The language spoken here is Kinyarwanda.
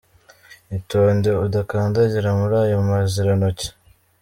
Itonde udakandagira muri ayo mazirantoki!